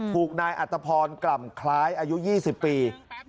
ถูกนายอัตภพรกล่ำคล้ายอายุ๒๐ปี